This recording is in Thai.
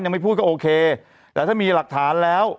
ไม่พูดก็โอเคแต่ถ้ามีหลักฐานแล้ว